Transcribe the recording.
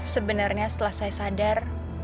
sebenarnya setelah saya sadar